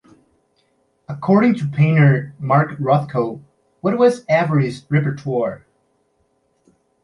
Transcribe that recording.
According to painter Mark Rothko, What was Avery's repertoire?